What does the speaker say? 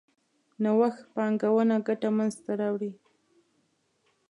نوښت پانګونه ګټه منځ ته راوړي.